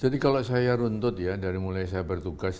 jadi kalau saya runtut ya dari mulai saya bertugas